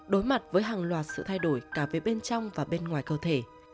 đối mặt với hàng loạt sự thay đổi cả về bên trong và bên ngoài cơ thể